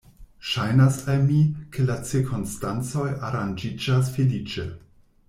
Ŝajnas al mi, ke la cirkonstancoj aranĝiĝas feliĉe.